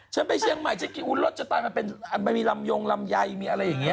ฉันไปเชียงใหม่กินอุ๊ยรสจะตายมาเป็นอันไม่มีลำยงลำใยมีอะไรอย่างเงี้ย